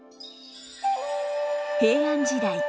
平安時代。